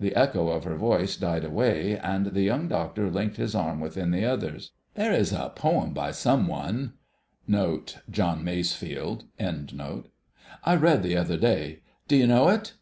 _..." The echo of her voice died away, and the Young Doctor linked his arm within the other's. "There is a poem by some one[#] I read the other day—d'you know it?